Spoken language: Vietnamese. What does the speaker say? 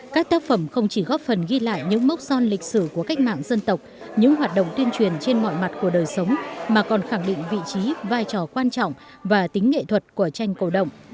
các tác phẩm không chỉ góp phần ghi lại những mốc son lịch sử của cách mạng dân tộc những hoạt động tuyên truyền trên mọi mặt của đời sống mà còn khẳng định vị trí vai trò quan trọng và tính nghệ thuật của tranh cổ động